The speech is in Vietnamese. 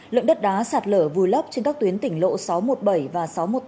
lượng đất đá sạt lở vùi lấp trên các tuyến tỉnh lộ sáu trăm một mươi bảy và sáu trăm một mươi tám